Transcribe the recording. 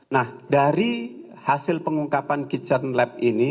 nah dari hasil pengungkapan kitchen lab ini